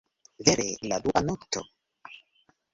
Vere... la dua nokto?